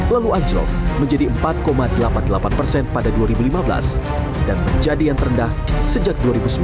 lalu anjlok menjadi empat delapan puluh delapan persen pada dua ribu lima belas dan menjadi yang terendah sejak dua ribu sembilan belas